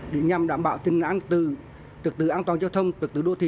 để nhằm đảm bảo tình hình an tử trực tử an toàn giao thông trực tử đô thị